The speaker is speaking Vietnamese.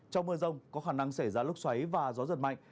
trong mưa rông có khả năng xảy ra lốc xoáy và gió giật mạnh